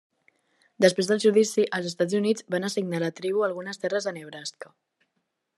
Després del judici, els Estats Units van assignar a la tribu algunes terres a Nebraska.